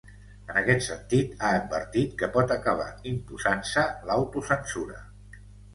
En aquest sentit, ha advertit que pot acabar imposant-se l’autocensura.